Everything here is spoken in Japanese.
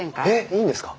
いいんですか？